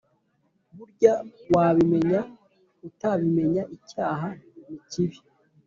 burya wabimenya utabimenya icyaha nikibi